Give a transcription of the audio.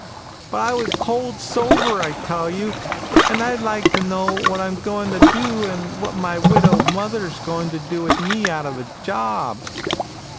But I was cold sober, I tell you. And I'd like to know what I'm going to do and what my widowed mother is going to do with me out of a job."